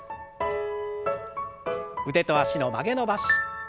腕と脚の曲げ伸ばし。